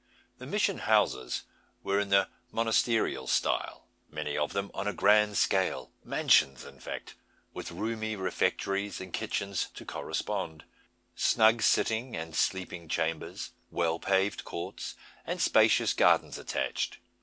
The mission houses were in the monasterial style, many of them on a grand scale mansions in fact, with roomy refectories, and kitchens to correspond; snug sitting and sleeping chambers; well paved courts and spacious gardens attached.